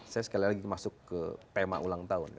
saya sekali lagi masuk ke tema ulang tahun ya